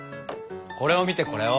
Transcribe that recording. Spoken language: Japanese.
これを見てこれを。